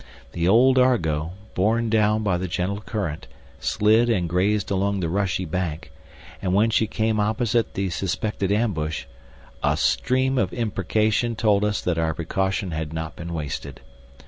The old Argo, borne down by the gentle current, slid and grazed along the rushy bank; and when she came opposite the suspected ambush, a stream of imprecation told us that our precaution had not been wasted.